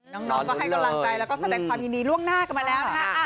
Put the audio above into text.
น้องก็ให้กำลังใจแล้วก็แสดงความยินดีล่วงหน้ากันมาแล้วนะฮะ